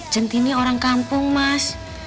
cinti ini orang kampung mas